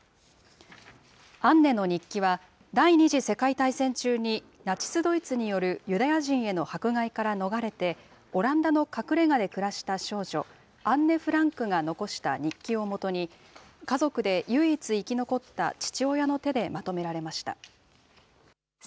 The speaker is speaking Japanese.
アンネの日記は、第２次世界大戦中に、ナチス・ドイツによるユダヤ人への迫害から逃れて、オランダの隠れがで暮らした少女、アンネ・フランクが残した日記を基に、家族で唯一生き残った父親の手でまとめられました。